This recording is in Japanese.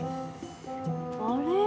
あれ？